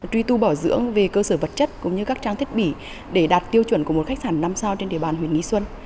truy tu bảo dưỡng về cơ sở vật chất cũng như các trang thiết bị để đạt tiêu chuẩn của một khách sạn năm sao trên địa bàn huyện nghi xuân